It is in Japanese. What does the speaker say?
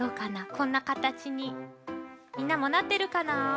こんなかたちにみんなもなってるかな？